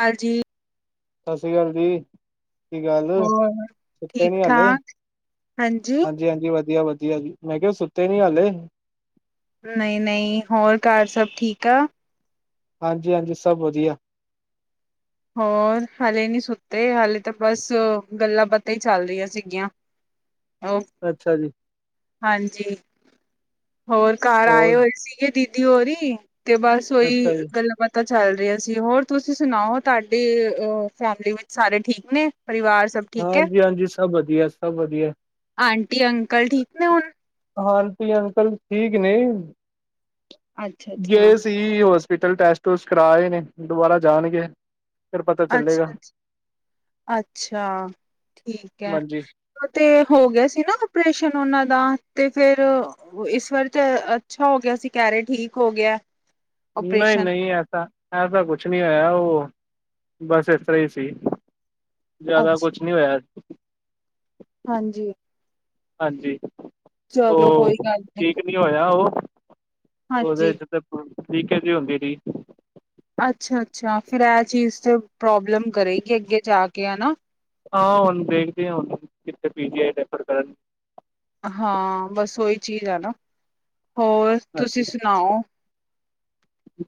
ਹਾਂਜੀ। ਸਤਿ ਸ੍ਰੀ ਅਕਾਲ ਜੀ। ਕੀ ਗੱਲ ਹੋਰ ਸੁਤੇੇ ਠੀਕ ਨੀ ਹਾਲੇ ਹਾਜ ਠਾਕ ਹਾਂਜੀ ਹਾਂਜੀ-ਹਾਂਜੀ, ਵਧੀਆ-ਵਧੀਆ ਜੀ ਮੈਂ ਕਿਹਾ ਸੁੱਤੇ ਨੀ ਹਾਲੇ? ਨਈ-ਨਈ, ਹੋਰ ਘਰ ਸਭ ਠੀਕ ਆ। ਹਾਂਜੀ-ਹਾਂਜੀ, ਸਭ ਵਧੀਆ। ਹੋਰ ਹਾਲੇ ਨੀ ਸੁੱਤੇ ਹਾਲੇ ਤਾਂ ਬਸ ਗੱਲਾਂ ਬਾਤ ਤੇ ਹੀ ਚੱਲ ਰਹੀਆਂ ਸੀਗੀਆਂ। ਓ ਅੱਛਾ ਜੀ। ਹਾਂਜੀ, ਹੋਰ ਕਾਰ ਆਏ ਹੋਰ ਹੋਏ ਸੀਗੇ ਦੀ ਦੀ ਹੋਰੀ ਤੇ ਬਸ ਓਹੀ ਅੱਛਾ ਜੀ, ਗੱਲਾਂ ਬਾਤਾਂ ਚੱਲ ਰਹੀਆਂ ਸੀ। ਹੋਰ ਤੁਸੀਂ ਸੁਣਾਓ। ਤਾਡੇ ਅ ਫੈਮਿਲੀ ਵਿੱਚ ਸਾਰੇ ਠੀਕ ਨੇ, ਪਰਿਵਾਰ ਸਭ ਠੀਕ ਐ, ਹਾਂਜੀ-ਹਾਂਜੀ, ਸਭ ਵਧੀਆ, ਸਭ ਵਧੀਆ, ਆਂਟੀ ਅੰਕਲ ਠੀਕ ਨੇ ਹੁਣ? ਆਂਟੀ ਅੰਕਲ ਠੀਕ ਨੇ ਅੱਛਾ ਅੱਛਾ ਗਏ ਸੀ ਹੋਸਪਿਟਲ ਟੈਸਟ ਟੂਸਟ ਕਰਾਏ ਨੇ ਦੁਬਾਰਾ ਜਾਣਗੇ। ਫਿਰ ਪਤਾ ਚੱਲੇਗਾ, ਅੱਛਾ-ਅੱਛਾ, ਅੱਛਾ ਠੀਕ ਐ। ਹਾਂਜੀ, ਓ ਤੇ ਹੋ ਗਿਆ ਸੀ ਨਾ ਆਪਓਰੇਸ਼ਨ ਉਹਨਾਂ ਦਾ ਤੇ ਫੇਰ ਇਸ ਵਾਰ ਤਾਂ ਅੱਛਾ ਹੋ ਗਿਆ ਸੀ, ਕੇਹ ਰਹੇ ਠੀਕ ਹੋ ਗਿਆ। ਓਪਰੇਸ਼ਨ ਨਈ-ਨਈ ਐਸਾ, ਐਸਾ ਕੁਛ ਨਹੀਂ ਹੋਯਾ। ਓ ਬਸ ਇਸ ਤਰ੍ਹਾਂ ਹੀ ਸੀ। ਜਾਦਾ ਕੁਛ ਅੱਛਾ ਨੀ ਹੋਯਾ। ਹਾਂਜੀ। ਹਾਂਜੀ, ਓ ਚਲੋ ਕੋਈ ਗੱਲ ਠੀਕ ਨੀ ਹੋਇਆ ਓਹ ਉਹਦੇ ਹਾਂਜੀ ਚ ਲੀਕੇਜ ਈ ਹੁੰਦੀ ਰਈ। ਅੱਛਾ-ਅੱਛਾ ਫਿਰ ਇਹ ਚੀਜ਼ ਪ੍ਰੋਬਲਮ ਕਰੇਗੀ ਅੱਗੇ ਜਾ ਕੇ ਹੈ ਨਾ। ਹਾਂ ਹੁਣ ਦੇਖਦੇ ਆ ਹੁਣ ਕਿੱਥੇ ਪੀ ਜੀ ਆਈ ਰੈਫਰ ਕਰਨ। ਹਾਂ ਬਸ ਓਹੀ ਚੀਜ਼ ਹੈ ਨਾ, ਹੋਰ ਤੁਸੀਂ ਹਾਂਜੀ। ਸੁਣਾਓ।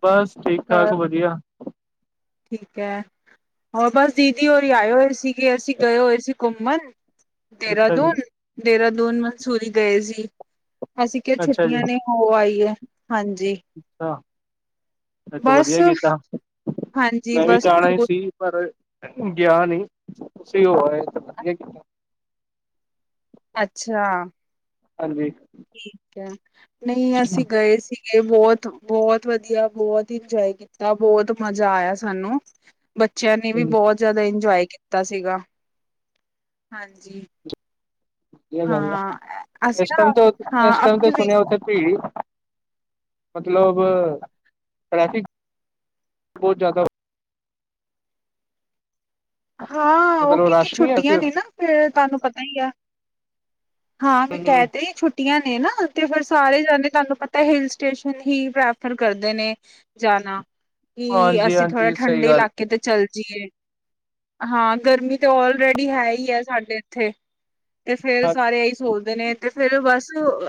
ਬਸ ਘਰ ਠੀਕ-ਠਾਕ ਵਧੀਆ। ਠੀਕ ਐ, ਹੋਰ ਬਸ ਦੀਦੀ ਹੋਰ ਆਇਓਏ ਸੀ ਕਿ ਅਸੀਂ ਗਏ ਹੋਏ ਸੀ ਘੁੰਮਣ। ਅੱਛਾ ਜੀ ਦੇਹਰਾਦੂਨ-ਦੇਹਰਾਦੂਨ, ਮਸੂਰੀ ਗਏ ਸੀ। ਅਸੀਂ ਕੇਹਾ ਅੱਛਾ ਜੀ ਛੁੱਟੀਆਂ ਨੇ ਹੋ ਆਈ ਏ, ਹਾਂਜੀ। ਅੱਛਾ, ਏਹ ਤੇ ਬਸ ਵਧੀਆ ਕੀਤਾ। ਹਾਂਜੀ ਮੈਂ ਵੀ ਬਸ ਜਾਣਾ ਈ ਟੂਰ ਸੀ। ਪਰ ਗਿਆ ਨੀ, ਤੁਸੀਂ ਹੋ ਆਏ ਤਾਂ ਵਧੀਆ ਕਿਤਾ। ਅੱਛਾ। ਹਾਂਜੀ। ਠੀਕ ਐ, ਨਈ ਅਸੀਂ ਗਏ ਸੀ। ਬੋਤ-ਬੋਤ ਵਧੀਆ, ਬੋਤ ਇੰਜੋਏ ਕੀਤਾ, ਬੋਤ ਮਜ਼ਾ ਆਯਾ ਸਾਨੂੰ। ਬੱਚਿਆਂ ਨੇ ਵੀ ਬੋਤ ਜ਼ਿਆਦਾ ਇੰਜੋਏ ਕੀਤਾ ਸੀਗਾ, ਹਾਂਜੀ। ਵਧੀਆ ਗੱਲ ਆ, ਹਾਂ ਅਸੀਂ ਏਸ ਨਾ ਟੇਮ ਤੇ, ਹਾਂ ਏਸ ਟੇਮ ਤੇ ਆਪਣੇ ਵੀ ਸੁਣਿਆ ਓਥੇ ਭੀੜ ਮਤਲਬ ਟ੍ਰੈਫਿਕ ਬੋਤ ਜਾਦਾ ਹਾਂ ਓ ਮਤਲਬ ਕਿਉਕੀ ਰਸ਼ ਨਹੀਂ ਹੈ ਸੀ ਛੁੱਟੀਆਂ ਨੇ ਉੱਥੇ ਨਾ ਫੇਰ ਤੁਹਾਨੂੰ ਪਤਾ ਹੀ ਆ। ਹਾਂ ਮੈਂ ਹੂੰ ਕੇਹ ਤੇ ਛੁੱਟ ਟੀਆ ਨੇ ਨਾ ਤੇ ਫਿਰ ਸਾਰੇ ਜਾਂਦੇ ਤੁਹਾਨੂੰ ਪਤਾ ਹਿਲ ਸਟੇਸ਼ਨ ਹੀ ਪ੍ਰੈਫਰ ਕਰਦੇ ਨੇ। ਜਾਣਾ ਕਿ ਹਾਂਜੀ ਅਸੀਂ ਥੋੜਾ ਹਾਂਜੀ ਸਹੀ ਠੰਡੇ ਗੱਲ ਇਲਾਕੇ ਤੇ ਚੱਲ ਜਾਈਏ। ਹਾਂ ਗਰਮੀ ਤੇ ਆਲਰੈਡੀ ਹੈ ਈ ਏ ਸਾਡੇ ਇੱਥੇ ਤੇ ਫੇਰ ਸਾਰੇ ਏਹੀ ਸੋਚਦੇ ਨੇ ਤੇ ਫੇਰ ਬਸ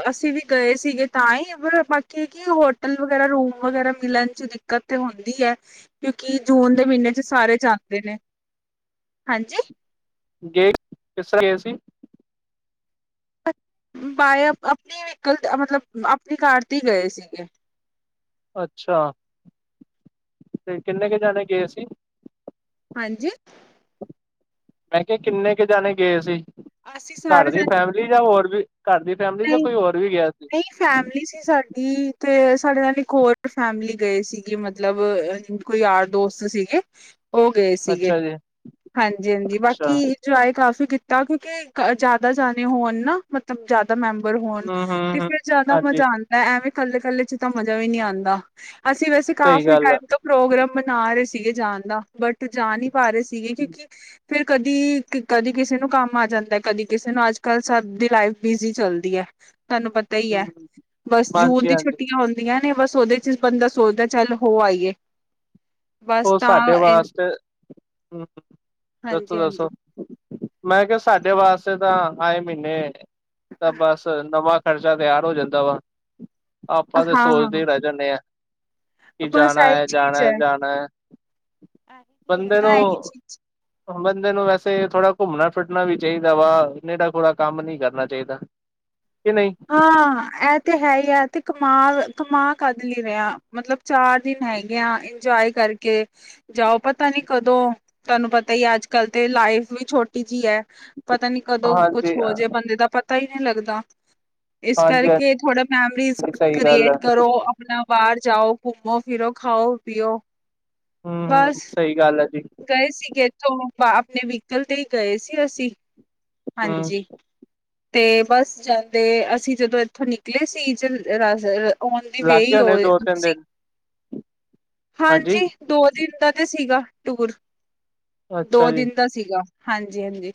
ਅਸੀਂ ਵੀ ਗਏ ਸੀਗੇ ਤਾਂ ਈ ਪਰ ਬਾਕੀ ਕਿ ਹੋਟਲ ਵਗੈਰਾ, ਰੂਮ ਵਗੈਰਾ ਮਿਲਣ ਚ ਦਿੱਕਤ ਤੇ ਹੁੰਦੀ ਏ ਕਿਉਂਕਿ ਜੂਨ ਦੇ ਮਹੀਨੇ ਚ ਸਾਰੇ ਜਾਂਦੇ ਨੇ। ਹਾਂਜੀ। ਗੇ ਕਿਸ ਤਰ੍ਹਾਂ ਗਏ ਸੀ। ਬਾਏ ਅਪ-ਅਪਨੀ ਵਿਕਲ ਤੇ ਅ ਮਤਲਬ ਆਪਣੀ ਕਾਰ ਤੇ ਈ ਗਏ ਸੀਗੇ। ਅੱਛਾ ਤੇ ਕਿੰਨੇ ਕ ਜਾਣੇ ਗਏ ਸੀਂ। ਹਾਂਜੀ ਮੈਂ ਕਿਯਾ ਕਿੰਨੇ ਕ ਜਾਨੇ ਗਏ ਸੀ ਅਸੀਂ ਘਰ ਸਾਰੇ ਦੀ ਜਣੇ ਫੈਮਿਲੀ ਜਾਂ ਹੋਰ ਘਰ ਦੀ ਫੈਮਿਲੀ ਜਾਂ ਕੋਈ ਹੋਰ ਵੀ ਗਿਆ ਸੀ ਫੈਮਿਲੀ ਸੀ ਸਾਡੀ ਤੇ ਸਾਡੇ ਨਾਲ ਇੱਕ ਹੋਰ ਫੈਮਿਲੀ ਗਏ ਸੀਗੀ ਮਤਲਬ ਅ ਅ ਕੋਈ ਯਾਰ ਦੋਸਤ ਸੀਗੇ ਔ ਗਏ ਸੀਗੇ। ਅੱਛਾ ਜੀ ਹਾਂਜੀ -ਹਾਂਜੀ ਅੱਛਾ ਬਾਕੀ ਟਰਾਇ ਕਾਫ਼ੀ ਕੀਤਾ ਕਿਉਂਕਿ ਅ ਜ਼ਿਆਦਾ ਜਾਨੇ ਹੋਣ ਨਾ ਮਤਲਬ ਤਾ ਮੈਂਬਰ ਹੋਣ ਹੂੰ ਹੂੰ ਤੇ ਹੂੰ ਫੇਰ ਜਾਦਾ ਹਾਂਜੀ ਮਜ਼ਾ ਆਦਾ ਐਵੇਂ ਕੱਲੇ- ਕੱਲੇ ਚ ਤਾਂ ਮਜ਼ਾ ਵੀ ਨੀ ਆਂਦਾ ਅਸੀਂ ਵੈਸੇ ਸਹੀ ਕਾਫ਼ੀ ਗੱਲ ਹੈ। ਟਾਈਮ ਤੋਂ ਪ੍ਰੋਗਰਾਮ ਮਨਾ ਰਹੇ ਸੀਗੇ ਜਾਣ ਦਾ ਬਟ ਜਾ ਨੀ ਪਾ ਰੇ ਸੀ ਸੀਗੇ ਕਿਉਂਕਿ ਫੇਰ ਕਦੀ ਕਦੀ ਕਿਸੇ ਨੂੰ ਕੰਮ ਆ ਜਾਂਦਾ ਕਦੀ ਕਿਸੇ ਨੂੰ ਅੱਜ ਕੱਲ੍ਹ ਸਭ ਦੀ ਲਾਈਫ ਬਿਜ਼ੀ ਚੱਲਦੀ ਐ ਤਾਨੂੰ ਪਤਾ ਈ ਐ ਬਸ ਜੂਨ ਹਾਂਜੀ ਦੀ ਹਾਂਜੀ ਛੁੱਟੀਆਂ ਹੋਨ ਟੀ ਆਂ ਨੇ ਬਸ ਔਹਦੇ ਚ ਬੰਦਾ ਸੋਚਦਾ ਚੱਲ ਹੋ ਆਈਏ ਬਸ ਹੋਰ ਤਾਂ ਸਾਡੇ ਵਾਸਤੇ, ਹਮ ਤੁਸੀ ਦੱਸੋ ਹਾਂਜੀ-ਹਾਂਜੀ ਮੈਂ ਕਿਯਾ ਸਾਡੇ ਵਾਸਤੇ ਤਾਂ ਆਏ ਮਹੀਨੇ ਤਾਂ ਬਸ ਨਵਾ ਖਰਚਾ ਤਿਆਰ ਹੋ ਜਾਂਦਾ ਵਾ ਆਪਾਂ ਤਾਂ ਹਾਂ-ਹਾਂ ਸੋਚਦੇ ਰੈ ਜਾਂਦੇ ਹ ਆ ਕਿ ਜਾਨਾ ਏ ਜਾਨਾ ਏ ਜਾਨਾ ਏ ਆਹ ਠਕ ਨਾ ਹੈਗ [inaudible] [inaudible] ਬੰਦੇ ਨੂੰ ਵੈਸੇ ਥੋੜ੍ਹਾ ਘੁੰਮਣਾ ਫਿਰਨਾ ਵੀ ਚਾਈਦਾ ਵਾ ਨੇਰਾ ਖੋਰਾ ਕੰਮ ਨੀ ਕਰਨਾ ਚਾਈਦਾ ਕਿ ਨ ਈ ਐ ਤੇ ਹੈ ਈ ਆ ਤੇ ਕਮਾ ਕਮਾ ਕਾਦੇ ਲਈ ਰੇਆ ਮਤਲਬ ਚਾਰ ਦਿਨ ਹੈਗੇ ਆ ਇੰਜੋਏ ਕਰਕੇ ਜਾਔ ਪਤਾ ਨੀ ਕਦੋਂ ਤਾਨੂੰ ਪਤਾ ਈਆ ਅੱਜ- ਕੱਲ ਤੇ ਲਾਈਫ ਵੀ ਛੋ ਟੀ ਜੀ ਹੈ ਪਤਾ ਨੀ ਕਦੋਂ ਕੁਛ ਹਾਂਜੀ ਹਾਂਜੀ ਹੋ ਜੇ ਬੰਦੇ ਦਾ ਪਤਾ ਈ ਨੀ ਲੱਗਦਾ ਇਸ ਹਾਂਜੀ ਕਰਕੇ ਥੋੜਾ ਮੈਮਰੀਜ਼ ਸਹੀ ਗੱਲ ਹੈ ਕਰ੍ਰੀਏਟ ਕਰੋ ਅਪਨਾ ਬਾਰ ਜਾਓ, ਘੁੰਮੋ ਫਿਰੋ ਖਾਓ -ਪੀ ਔ ਹਮ- ਹਮ ਸਈ ਗੱਲ ਐ ਜੀ। ਗਏ ਸੀਗੇ ਇੱਥੋਂ ਬਾ ਅਪਣੇ ਵੀਕਲ ਤੇ ਗਏ ਸੀ ਅਸੀਂ ਹਮ ਹਾਂਜੀ। ਤੇ ਬਸ ਜਾਂਦੇ ਅਸੀਂ ਜਦੋਂ ਇੱਥੋਂ ਨਿਕਲੇ ਸੀ ਜ ਔਨ ਦੀ ਲੱਗ ਵੇ ਗਏ ਈ ਹੋਣੇ ਔਹ ਦੋ ਤਿੰਨ ਸੀ ਦਿਨ ਹਾਂਜੀ ਦੋ ਦਿਨ ਦਾ ਤੇ ਸੀਗਾ ਟੂਰ, ਦੋ ਅੱਛਾ ਜੀ ਦਿਨ ਦਾ ਸੀ ਗਾ ਹਾਂਜੀ -ਹਾਂਜੀ,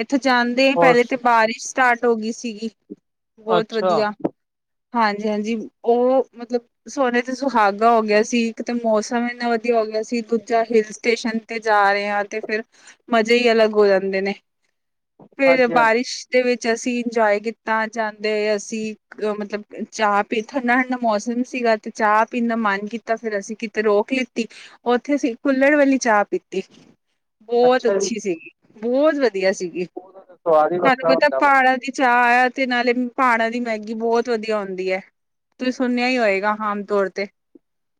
ਇੱਥੇ ਜਾਂਦੇਆ ਹੋਰ ਪੈਲੇ ਤੇ ਬਾਰਿਸ਼ ਸਟਾਰਟ ਹੋ ਗੀ ਸੀਗੀ ਬੋਤ ਅੱਛਾ ਵਧੀਆ ਹਾਂਜੀ- ਹਾਂਜੀ ਔਹ ਮਤਲਬ ਸੋਨੇ ਤੇ ਸੁਹਾਗਾ ਹੋ ਗਿਆ ਸੀ ਇਕ ਤੇ ਮੌਸਮ ਏਨਾ ਵਧੀਆ ਹੋ ਗਿਆ ਸੀ। ਦੂਜਾ ਹਿਲ ਸਟੇਸ਼ਨ ਤੇ ਜਾ ਰਹੇ ਹ ਤੇ ਫਿਰ ਮਜੇ ਈ ਅਲੱਗ ਹੋ ਜਾਂਦੇ ਨੇ ਫੇਰ ਹਾਂਜੀ ਹਾਂਜੀ ਬਾਰਿਸ਼ ਦੇ ਵਿੱਚ ਅਸੀਂ ਇੰਜੋਏ ਕੀਤਾ ਜਾਂਦੇ ਹੋਏ ਅਸੀਂ ਅ ਮਤਲਬ ਚਾਹ ਪੀ, ਠੰਡਾ- ਠੰਡਾ ਮੌਸਮ ਸੀਗਾ। ਤੇ ਚਾਹ ਪੀਣ ਦਾ ਮਨ ਕੀਤਾ ਫੇਰ ਅਸੀਂ ਕਿਤੇ ਰੋਕ ਲਿੱਤੀ ਔਥੇ ਅਸੀਂ ਕੁਲੜ ਵਾਲੀ ਚਾਹ ਪੀਤੀ ਬੋਤ ਅੱਛਾ ਜੀ ਅੱਛੀ ਸੀਗੀ। ਬੋਤ ਵਧੀਆ ਸੀਗੀ ਸਵਾਦ ਹੀ ਤਾਨੂੰ ਵੱਖਰਾ ਪਤਾ ਹੁੰਦਾ ਵਾ ਪਹਾੜਾਂ ਦੀ ਚਾ ਐ ਤੇ ਨਾਲੇ ਪਹਾੜਾਂ ਦੀ ਮੈਗੀ ਬਹੁਤ ਵਧੀਆ ਹੋਂਦੀ ਹੈ, ਤੁਸੀਂ ਸੁਣਿਆ ਹੀ ਹੋਏਗਾ ਆਮ ਤੌਰ ਤੇ।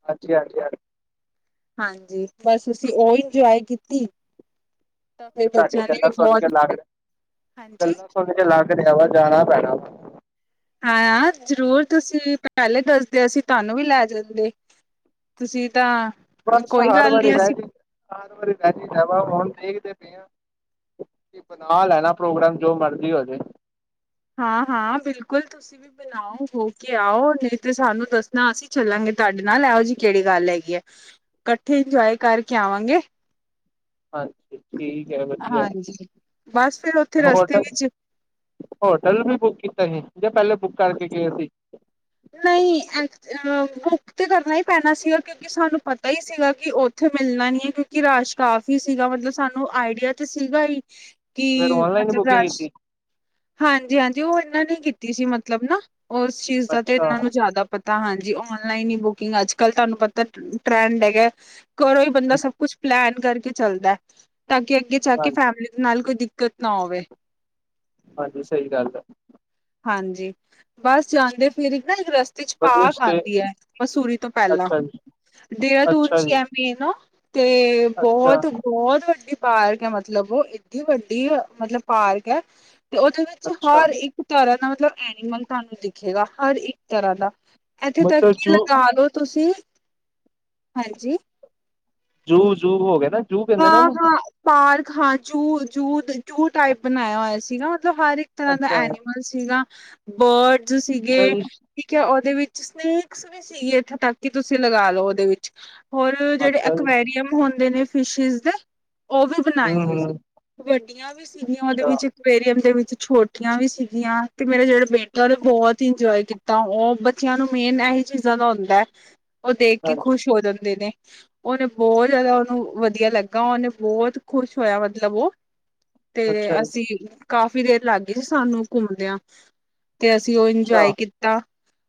ਹਾਂਜੀ-ਹਾਂਜੀ- ਹਾਂਜੀ ਹਾਂਜੀ, ਬਸ ਤੁਸੀਂ ਓਈ ਇੰਜੋਏ ਕੀਤੀ ਤਾਂ ਫਿਰ ਤੁਹਾਡੀ ਬੱਚਿਆਂ ਨੇ ਵੀ ਗੱਲਾਂ ਬਹੁਤ [inaudible] ਹਾਂਜੀ ਥੋੜੇ ਜੇ ਲੱਗ ਰਿਹਾ ਵਾ, ਜਾਣਾ ਪੈਣਾ। ਹਾਂ, ਜ਼ਰੂਰ ਤੁਸੀਂ ਪਹਿਲੇ ਦਸਦੇ, ਅਸੀ ਤੁਹਾਨੂੰ ਵੀ ਲੈ ਜਾਂਦੇ। ਤੁਸੀਂ ਤਾਂ ਬਸ ਕੋਈ ਹਰ ਗੱਲ ਵਾਰੀ ਨੀ ਰਹਿ ਅਸੀਂ ਜੀ, ਹਰ ਵਾਰੀ ਰਹਿ ਜੀਦਾ ਵਾ, ਹੁਣ ਦੇਖਦੇ ਪਏ ਹਾਂ ਬਣਾ ਲੈਣਾ ਪ੍ਰੋਗਰਾਮ, ਜੋ ਮਰਜ਼ੀ ਹੋਜੇ। ਹਾਂ-ਹਾਂ, ਬਿਲਕੁਲ ਤੁਸੀਂ ਵੀ ਬਣਾਓ, ਹੋਕੇ ਆਓ, ਨਹੀਂ ਤੇ ਸਾਨੂੰ ਦੱਸਣਾ ਅਸੀਂ ਚੱਲਾਂਗੇ ਤੁਹਾਡੇ ਨਾਲ, ਇਹੋ ਜਿਹੀ ਕਿਹੜੀ ਗੱਲ ਹੈਗੀ ਆ। ਕੱਠੇ ਇੰਜੋਏ ਕਰਕੇ ਆਵਾਂਗੇ। ਹਾਂਜੀ ਠੀਕ ਏ ਵਧੀਆ, ਹਾਂਜੀ ਬਸ ਫਿਰ ਉੱਥੇ ਰਸਤੇ ਹੋਟਲ ਵਿੱਚ ਹੋਟਲ ਵੀ ਬੁੱਕ ਕੀਤਾ ਸੀ, ਯਾ ਪਹਿਲੇ ਬੁੱਕ ਕਰਕੇ ਗਏ ਸੀ? ਨਹੀਂ ਐ, ਬੁੱਕ ਤਾਂ ਕਰਨਾ ਹੀ ਪੈਣਾ ਸੀਗਾ ਕਿਉਂ ਕਿ ਸਾਨੂੰ ਪਤਾ ਹੀ ਸੀਗਾ, ਕਿ ਉੱਥੇ ਮਿਲਣਾ ਨਹੀਂ ਏ, ਕਿਉਂਕਿ ਰਸ਼ ਕਾਫ਼ੀ ਸੀਗਾ, ਮਤਲਬ ਸਾਨੂੰ ਆਈਡੀਆ ਤਾਂ ਸੀਗਾ ਈ, ਕਿ ਫਿਰ ਔਨਲਾਈਨ ਮਤਲਬ ਬੁਕਿੰਗ ਰਸ਼। ਕੀਤੀ ਹਾਂਜੀ-ਹਾਂਜੀ, ਉਹ ਇਹਨਾਂ ਨੇ ਕੀਤੀ ਸੀ ਮਤਲਬ ਨਾ, ਉਸ ਚੀਜ਼ ਦਾ ਤੇ ਅੱਛਾ, ਇਹਨਾਂ ਨੂੰ ਜ਼ਿਆਦਾ ਪਤਾ ਹਾਂਜੀ, ਔਨਲਾਈਨ ਹੀ ਬੁਕਿੰਗ ਅੱਜ-ਕੱਲ ਤੁਹਾਨੂੰ ਪਤਾ ਟਰੈਂਡ ਹੈਗਾ। ਘਰੋਂ ਹੀ ਬੰਦਾ ਹੂੰ, ਸਭ ਕੁਛ ਪਲੈਨ ਕਰਕੇ ਚੱਲਦੈ, ਤਾਂ ਕਿ ਅੱਗੇ ਜਾਕੇ ਹਾਂਜੀ, ਫੈਮਿਲੀ ਨਾਲ ਕੋਈ ਦਿੱਕਤ ਨਾ ਹੋਵੇ। ਹਾਂਜੀ, ਸਹੀ ਗੱਲ ਆ। ਹਾਂਜੀ, ਬਸ ਜਾਂਦੇ ਫਿਰ ਇੱਕ ਨਾ ਇੱਕ ਰਸ 'ਚ ਵਧੀਆ ਪਾਕ ਸਟੇ ਆਂਦੀ ਏ, ਮਸੂਰੀ ਤੋਂ ਪਹਿਲਾਂ ਅੱਛਾ ਜੀ, ਦੇਹਰਾਦੂਨ ਅੱਛਾ 'ਚ ਈ ਜੀ। ਐ। ਪੀਏ ਨਾ, ਤੇ ਅੱਛਾ, ਬਹੁਤ-ਬਹੁਤ ਵੱਡੀ ਪਾਰਕ ਐ ਮਤਲਬ, ਉਹ ਏਡੀ ਵੱਡੀ ਮਤਲਬ ਪਾਰਕ ਐ, ਤੇ ਉਹਦੇ ਵਿੱਚ ਅੱਛਾ ਹਰ ਇੱਕ ਤਰ੍ਹਾਂ ਦਾ ਮਤਲਬ ਐਨੀਮਲ ਤੁਹਾਨੂੰ ਦਿਖੇਗਾ, ਹਰ ਇੱਕ ਤਰ੍ਹਾਂ ਦਾ। ਇੱਥੇ ਤੱਕ ਮਤਲਬ ਕੀ ਜੂ, ਲਗਾਲੋ ਤੁਸੀਂ, ਹਾਂਜੀ। ਜੂ-ਜੂ ਹੋਗਿਆ ਨਾ, ਜੂਅ ਕਹਿੰਦੇ ਨਾ ਹਾਂ ਉਹਨੂੰ? ਹਾਂ ਪਾਰਕ ਹਾਂ, ਜੂ-ਜੂ, ਜੂਅ ਟਾਈਪ ਬਣਾਇਆ ਹੋਇਆ ਸੀ ਨਾ, ਮਤਲਬ ਹਰ ਇੱਕ ਤਰ੍ਹਾਂ ਦਾ ਅੱਛਾ, ਐਨੀਮਲ ਐਨੀਮਲ ਸੀਗਾ, ਬਰਡਜ਼ ਸੀਗੇ। ਅੱਛਾ ਜੀ, ਠੀਕ ਐ, ਉਹਦੇ ਵਿੱਚ ਸਨੇਕਸ ਵੀ ਸੀਗੇ, ਇੱਥੋਂ ਤੱਕ ਕਿ ਤੁਸੀਂ ਲਗਾਲੋ, ਉਹਦੇ ਵਿੱਚ। ਹੋਰ, ਜਿਹੜੇ ਅੱਛਾ ਜੀ, ਅਕਵੇਰੀਅਮ ਹੁੰਦੇ ਨੇ ਫਿਸ਼ਿਸ ਦੇ, ਉਹ ਵੀ ਬਣਾਏ ਹੂੰ, ਹੋਏ ਸੀ, ਹੂੰ ਵੱਡੀਆਂ ਵੀ ਸੀਗੀਆਂ ਉਹਦੇ ਅੱਛਾ, ਵਿੱਚ, ਇਕਏਰੀਅਮ ਦੇ ਵਿੱਚ, ਛੋਟੀਆਂ ਵੀ ਸੀ। ਤੇ ਮੇਰੇ ਜਿਹੜੇ ਬੇਟੇ ਉਹਨੇ ਬਹੁਤ ਇੰਜੋਏ ਕੀਤਾ, ਉਹ ਬੱਚਿਆਂ ਨੂੰ ਮੇਨ ਐਹੀ ਚੀਜ਼ਾਂ ਦਾ ਹੁੰਦਾ। ਹੂੰ। ਉਹ ਦੇਖਕੇ, ਖੁਸ਼ ਹੋ ਜਾਂਦੇ ਨੇ। ਉਹਨੇ ਬਹੁਤ ਜਿਆਦਾ ਉਹਨੂੰ ਵਧੀਆ ਲੱਗਾ, ਉਹਨੇ ਬਹੁਤ ਖ਼ੁਸ਼ ਹੋਇਆ ਮਤਲਬ ਉਹ। ਤੇ ਅੱਛਾ ਜੀ। ਅਸੀਂ ਕਾਫ਼ੀ ਦੇਰ ਲੱਗ ਗਈ ਸੀ, ਸਾਨੂੰ ਘੁੰਮਦਿਆਂ। ਤੇ ਅਸੀਂ ਉਹ ਅੱਛਾ, ਇੰਜੋਏ ਕੀਤਾ,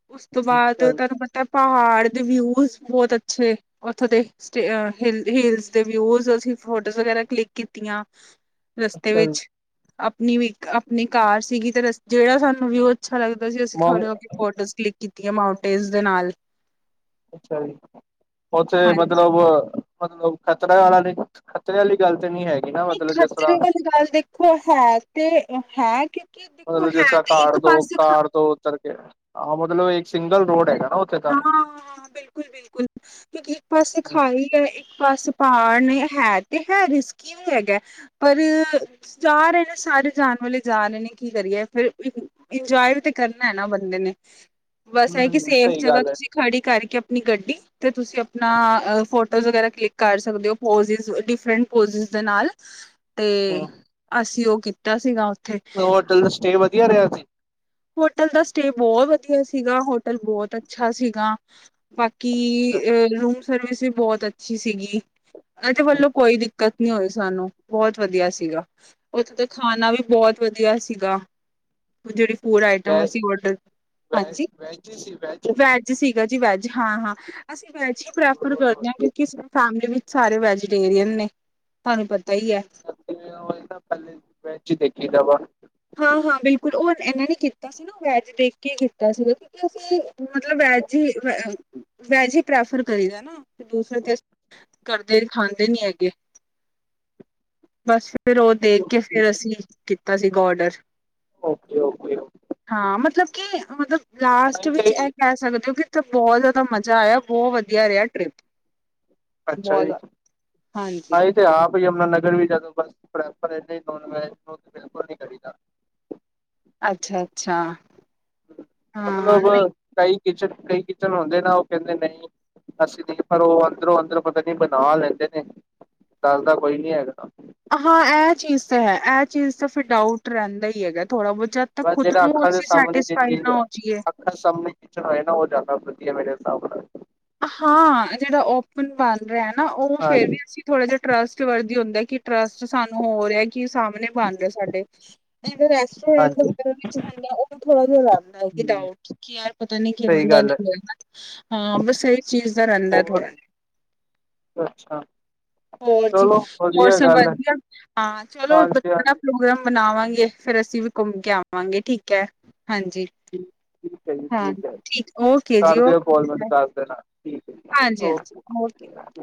ਉਸ ਤੋਂ ਬਾਅਦ ਅੱਛਾ ਜੀ, ਤੁਹਾਨੂੰ ਪਤਾ ਪਹਾੜ ਦੇ ਵਿਊਜ ਬਹੁਤ ਅੱਛੇ, ਉੱਥੋ ਦੇ। ਹਿਲਸ ਦੇ ਵਿਊਜ, ਅਸੀਂ ਫੋਟੋਸ ਵਗੈਰਾ ਕਲਿੱਕ ਕੀਤੀਆਂ। ਰਸਤੇ ਅੱਛਾ ਜੀ, ਵਿੱਚ, ਆਪਣੀ ਵੀ ਆਪਣੀ ਕਾਰ ਸੀਗੀ, ਤੇ ਜਿਹੜਾ ਸਾਨੂੰ ਵੀਉ ਅੱਛਾ ਲੱਗਦਾ ਸੀ, ਅਸੀਂ ਮੰ ਖੜੇ ਹੋਕੇ ਫੋਟੋਜ਼ ਕਲਿੱਕ ਕੀਤੀਆ, ਮਾਂਉਟੇਸ ਦੇ ਨਾਲ। ਅੱਛਾ ਜੀ, ਉੱਥੇ ਹਾਂਜੀ ਮਤਲਬ, ਮਤਲਬ ਖ਼ਤਰਾ ਵਾਲਾ ਨਹੀ ਖ਼ਤਰੇ ਵਾਲੀ ਗੱਲ ਤੇ ਨੀ ਹੈਗੀ ਨਾ, ਨਹੀਂ ਮਤਲਬ ਜਿਸ ਤਰ੍ਹਾਂ ਖਤਰੇ ਵਾਲੀ ਗੱਲ ਦੇ ਉਹ ਹੈ, ਤੇ ਹੈ ਕ ਮਤਲਬ ਜਿਸ ਤਰ੍ਹਾਂ ਕਾਰ ਦੋ, ਕਾਰ ਦੋ ਉੱਤਰ ਕੇ ਆਹ ਮਤਲਬ ਇੱਕ ਸਿੰਗਲ ਰੋਡ ਹੈਗਾ ਨਾ, ਉੱਥੇ ਤਾਂ। ਇੱਕ, ਇੱਕ ਪਾਸੇ ਹੂੰ, ਖਾਈ ਹੈ, ਇੱਕ ਪਾਸੇ ਪਹਾੜ ਨੇ, ਹੈ ਤੇ ਹੈ ਰਿਸਕੀ ਰਿਸਕੀ ਵੀ ਹੈਗਾ, ਪਰ ਜਾਰੇ ਨੇ ਸਾਰੇ ਜਾਣ ਵਾਲੇ ਜਾ ਰਹੇ ਨੇ, ਕੀ ਕਰੀਏ ਫੇਰ ਇੰਜੋਏ ਵੀ ਤੇ ਕਰਨਾ ਹੈ ਨਾ ਬੰਦੇ ਨੇ, ਬਸ ਇਹ ਕਿ ਸੇਫ ਸਹੀ ਜਗ੍ਹਾ ਗੱਲ ਐ। ਤੁਸੀਂ ਖੜੀ ਕਰਕੇ, ਆਪਣੀ ਗੱਡੀ ਤੇ ਤੁਸੀਂ ਆਪਣਾ ਫੋਟੋਜ਼ ਵਗੈਰਾ ਕਲਿੱਕ ਕਰ ਸਕਦੇ ਹੋ, ਪੋਜ ਡਿਫਰੈਂਟ, ਪੋਜਿਸ ਦੇ ਨਾਲ। ਹੂੰ। ਤੇ ਅਸੀਂ ਉਹ ਕੀਤਾ ਸੀਗਾ, ਉੱਥੇ। ਮਤਲਬ, ਹੋਟਲ ਦਾ ਸਟੇਅ ਵਧੀਆ ਰਿਹਾ ਸੀ? ਹੋਟਲ ਦਾ ਸਟੇ ਬਹੁਤ ਵਧੀਆ ਸੀਗਾ, ਹੋਟਲ ਬਹੁਤ ਅੱਛਾ ਸੀਗਾ। ਬਾਕੀ ਅ ਰੂਮ ਸਰਵਿਸ ਵੀ ਬਹੁਤ ਅੱਛੀ ਸੀਗੀ, ਇਹਨਾਂ ਦੇ ਵੱਲੋਂ ਕੋਈ ਦਿੱਕਤ ਨ ਹੋਈ ਸਾਨੂੰ, ਬਹੁਤ ਵਧੀਆ ਸੀਗਾ। ਉੱਥੇ ਤਾਂ, ਖਾਣਾ ਵੀ ਬਹੁਤ ਵਧੀਆ ਸੀਗਾ। ਜਿਹੜੀ ਫੂਡ ਆਈਟਮ, ਅਸੀਂ ਔਡਰ, ਹਾਂਜੀ? ਜੀ ਜੀ। ਵੈਜ ਸੀਗਾ ਜੀ ਵੈਜ, ਹਾਂ ਹਾਂ ਅਸੀਂ ਵੈਜ ਹੀ ਪ੍ਰੈਫਰ ਕਰਦੇ ਹਾਂ। ਕਿਉਂਕਿ ਫੈਮਿਲੀ ਵਿੱਚ ਸਾਰੇ ਵੈਜੀਟੇਰੀਅਨ ਨੇ, ਤੁਹਾਨੂੰ ਪਤਾ ਹੀ ਹੈ। ਪਹਿਲੇ ਮੈਂ ਹੀ ਦੇਖੀ, ਤਾਂ ਆਪਾ ਹਾਂ ਹਾਂ ਬਿਲਕੁਲ, ਉਹ ਇਹਨਾਂ ਨੇ ਕੀਤਾ ਸੀ ਨਾ, ਵੈਜ ਦੇਖ ਕੇ ਕੀਤਾ ਸੀਗਾ ਸੀ ਮਤਲਬ, ਵੈਜ ਹੀ ਵੈਜ ਹੀ ਪ੍ਰੈਫਰ ਕਰੀ ਦਾ ਨਾ, ਦੂਸਰੇ ਕਰਦੇ, ਖਾਂਦੇ ਨੀ ਹੈਗੇ, ਬਸ ਫ ਫਿਰ ਉਹ ਦੇਖ ਕੇ, ਫਿਰ ਅਸੀਂ ਕੀਤਾ ਸੀਗਾ ਔਡਰ। Okay, okay. ਹਾਂ ਮਤਲਬ ਕਿ, ਮਤਲਬ ਲਾਸਟ ਅੱਛਾ ਵਿੱਚ ਜੀ ਇਹ ਕਹਿ ਸਕਦੇ ਹੋ ਕਿ ਬਹੁਤ ਜ਼ਿਆਦਾ ਮਜ਼ਾ ਆਇਆ, ਬਹੁਤ ਵਧੀਆ ਰਿਹਾ ਟ੍ਰਿਪ। ਅੱਛਾ ਬਹੁਤ ਜੀ, ਜ਼ਿਆਦਾ ਹਾਂਜੀ ਹ ਆਪ ਯਮੁਨਾ ਨਗਰ ਵੀ ਜਾਦੋ, ਬ ਬਿਲਕੁਲ ਨੀ ਕਰੀ ਦਾ ਅੱਛਾ, ਅੱਛਾ। ਮਤਲਬ ਕਈ ਕਿਚਨ, ਕਈ ਕਿਚਨ ਹੁੰਦੇ ਨਾ ਉਹ ਕਹਿੰਦੇ ਨਹੀਂ ਅਸੀਂ ਨ, ਪਰ ਉਹ ਅੰਦਰੋਂ ਅੰਦਰ ਪਤਾ ਨੀ ਬਣਾ ਲੈਂਦੇ ਨੇ ਡਰਦਾ ਕੋਈ ਨੀ ਹੈਗਾ। ਹਾਂ ਇਹ ਚੀਜ਼ ਤਾਂ ਹੈ, ਇਹ ਚੀਜ਼ ਤਾਂ ਫਿਰ ਡਾਊਟ ਰਹਿੰਦਾ ਹੀ ਹੈਗਾ ਥੋੜ੍ਹਾ ਬਹੁਤ ਤਾਂ ਬਸ ਖੁਦ ਜਿਹੜਾ ਨੂੰ, ਅੱਖਾਂ ਦੇ ਅਸੀਂ ਸਾਹਮਣੇ ਜਿਹੜੀ ਸੈਟਿਸਫਾਈ ਚੀਜ਼ ਨਾ ਹੋ ਜਾਈਏ ਸਾਹਮਣੇ ਹੈ ਨਾ ਉਹ, ਜ਼ਿਆਦਾ ਵਧੀਆ ਮੇਰੇ ਹਿਸਾਬ ਨਾਲ ਹਾਂ, ਜਿਹੜਾ ਓਪਨ ਬਾਲ ਰਿਹਾ ਨਾ, ਉਹ ਫੇਰ ਹਾਂਜੀ ਵੀ ਅਸੀਂ ਥੋੜ੍ਹਾ ਜਿਹਾ ਟਰੱਸਟ ਵਰਦੀ ਹੁੰਦਾ, ਕਿ ਟਰੱਸਟ ਸਾਨੂੰ ਹੋ ਰਿਆ ਕਿ ਸਾਹਮਣੇ ਬਣ ਰਹਾ ਸਾਡੇ ਰੈਸਟੋਰੈਂਟ ਹਾਂਜੀ ਵਗੈਰਾ ਵਿੱਚ ਹੈ, ਉਹ ਵੀ ਥੋੜਾ ਜਿਹਾ ਹੂੰ ਦਾ, ਕਿ ਯਾਰ ਪਤਾ ਨੀ ਕਿਵੇਂ ਸਹੀ ਦਾ, ਗੱਲ ਹੈ। ਹਾਂ ਬ ਇਸ ਚੀਜ਼ ਦਾ ਰੰਦਾ, ਹੋਰ ਥੋੜਾ ਜਹਾ। ਅੱਛਾ ਹੋਰ ਜੀ, ਚਲੋ ਹੋਰ ਵਧੀਆ ਸੰ ਗੱਲ ਹੈ ਵਧੀਆ, ਹਾਂ ਚਲੋਾ ਹਾਂਜੀ ਹਾਂਜੀ ਪ੍ਰੋਗਰਾਮ ਬਨਾਵਾਂਗੇ ਫੇਰ ਅਸੀਂ ਵੀ ਘੁੰਮ ਕੇ ਆਵਾਂਗੇ ਠੀਕ ਹੈ ਹਾਂਜੀ। ਠੀਕ ਠੀਕ ਹੈ ਜੀ ਹਾਂ, ਠੀਕ ਹੈ ਠੀਕ ਓਕੇ ਜੀ ਕਰ ਓ- ਦਿਓ ਕੋਲ ਮੈਨੂੰ ਦੱਸ ਦੇਣਾ, ਠੀਕ। ਹੈ ਜੀ ਹਾਂਜੀ-ਹਾਂਜੀ ਹੋ- ਓਕੇ।